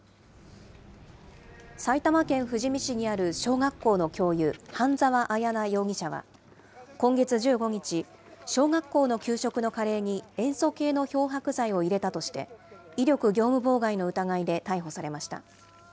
埼玉県富士見市にある小学校の教諭、半澤彩奈容疑者は、今月１５日、小学校の給食のカレーに塩素系の漂白剤を入れたとして、威力業務妨害の疑いで逮捕されました。